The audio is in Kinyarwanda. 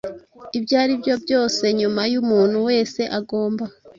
Ibyo aribyo byose nyuma yumuntu wese agomba